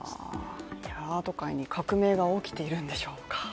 アート界に革命が起きているんでしょうか。